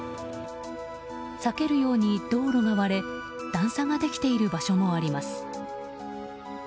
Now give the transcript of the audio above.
裂けるように道路が割れ段差ができている場所もあります。